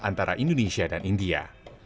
antara indonesia dan india